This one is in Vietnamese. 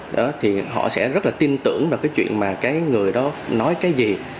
đó thì họ sẽ rất là tin tưởng vào cái chuyện mà cái người đó nói cái gì